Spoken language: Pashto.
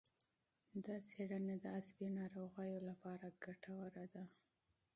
دا څېړنه د عصبي ناروغیو لپاره ګټوره ده.